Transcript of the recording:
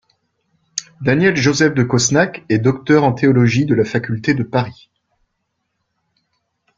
Daniel Joseph de Cosnac est docteur en théologie de la faculté de Paris.